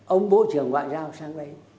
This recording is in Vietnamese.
ông bộ trưởng vạn giao sang đây